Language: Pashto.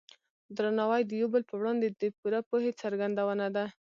درناوی د یو بل په وړاندې د پوره پوهې څرګندونه ده.